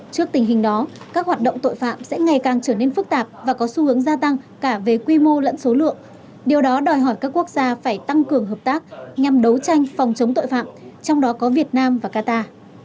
trước tình hình đó các hoạt động tội phạm sẽ ngày càng trở nên phức tạp và có xu hướng gia tăng cả về quy mô lẫn số lượng điều đó đòi hỏi các quốc gia phải tăng cường hợp tác nhằm đấu tranh phòng chống tội phạm trong đó có việt nam và qatar